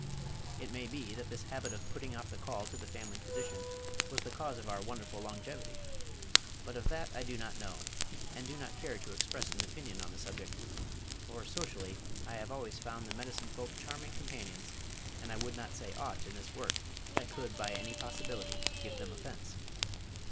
It may be that this habit of putting off the call to the family physician was the cause of our wonderful longevity, but of that I do not know, and do not care to express an opinion on the subject, for socially I have always found the medicine folk charming companions and I would not say aught in this work that could by any possibility give them offense.